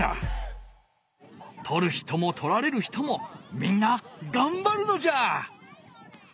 とる人もとられる人もみんながんばるのじゃ！